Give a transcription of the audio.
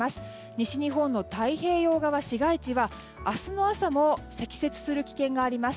西日本の太平洋側市街地は明日の朝も積雪する危険があります。